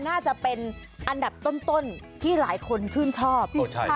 น่าจะเป็นอันดับต้นที่หลายคนชื่นชอบ